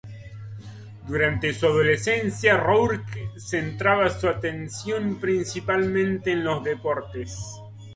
Durante su adolescencia, Rourke centraba su atención principalmente en los deportes.